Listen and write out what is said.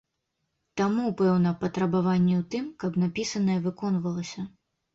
Таму, пэўна, патрабаванні ў тым, каб напісанае выконвалася.